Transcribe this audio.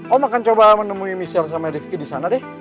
om akan coba menemui michel sama rivki di sana deh